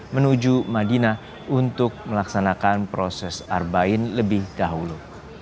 menuju madinah untuk melaksanakan proses arbain lebih dahulu